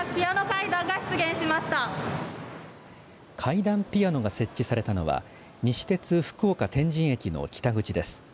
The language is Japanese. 階段ピアノが設置されたのは西鉄、福岡天神駅の北口です。